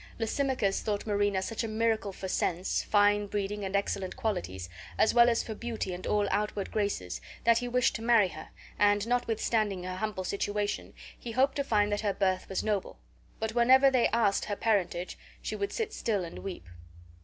Lysimachus thought Marina such a miracle for sense, fine breeding, and excellent qualities, as well as for beauty and all outward graces, that he wished to marry her, and, notwithstanding her humble situation, he hoped to find that her birth was noble; but whenever when they asked her parentage she would sit still and weep.